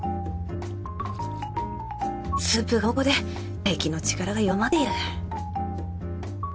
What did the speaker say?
スープが濃厚で敵の力が弱まっている